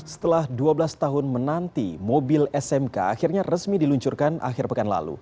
setelah dua belas tahun menanti mobil smk akhirnya resmi diluncurkan akhir pekan lalu